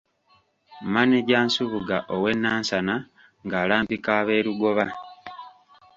Maneja Nsubuga ow'e Nansana ng'alambika ab'e Lugoba.